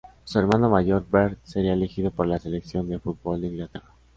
Su hermano mayor Bert sería elegido por la Selección de fútbol de Inglaterra.